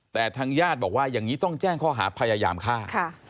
แต่ทางญาติบอกว่าอย่างนี้ต้องแจ้งข้อหาพยายามฆ่า